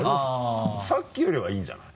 さっきよりはいいんじゃない？